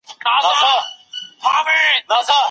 که صبر وکړو نو اجر مو نه ضایع کیږي.